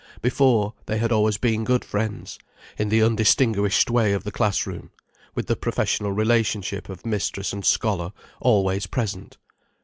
Before, they had always been good friends, in the undistinguished way of the class room, with the professional relationship of mistress and scholar always present.